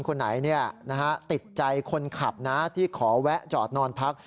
คนไหนติดใจคนขับนะที่ขอแวะจอดนอนพัก